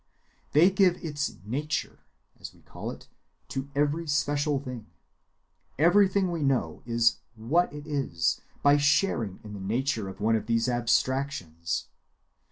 They give its "nature," as we call it, to every special thing. Everything we know is "what" it is by sharing in the nature of one of these abstractions.